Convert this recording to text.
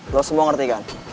lo semua ngerti kan